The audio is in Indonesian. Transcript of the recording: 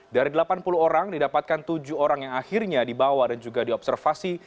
dari delapan puluh orang didapatkan tujuh orang yang akhirnya dibawa dan juga diobservasi